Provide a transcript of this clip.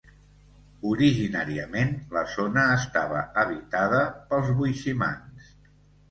Originàriament la zona estava habitada pels boiximans.